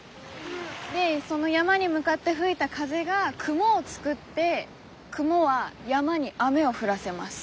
でその山に向かって吹いた風が雲を作って雲は山に雨を降らせます。